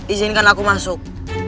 izinkan aku masuk